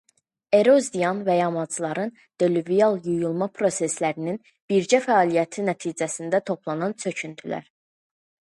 Erozion və yamacların delüvial yuyulma proseslərinin birgə fəaliyyəti nəticəsində toplanan çöküntülər.